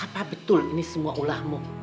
apa betul ini semua ulahmu